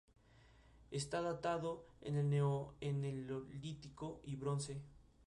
Está datado en el neo-eneolítico y bronce.